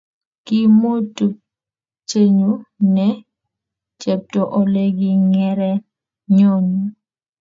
kiimut tupchenyu ne chepto ole kigeeren chong'ik